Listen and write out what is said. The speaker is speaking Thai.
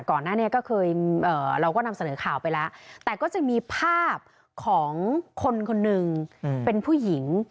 ก่อนหน้านี้เราก็เคยนำเสนอข่าวไปละแต่จะมีภาพของคนคนนึงเป็นผู้หญิง